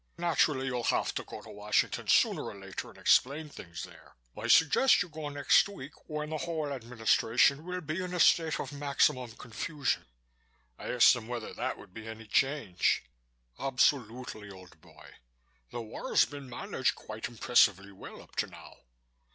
Naturally you'll have to go to Washington sooner or later and explain things there. I suggest that you go next week, when the whole Administration will be in a state of maximum confusion." I asked him whether that would be any change. "Absolutely, old boy. The war's been managed quite impressively well up to now.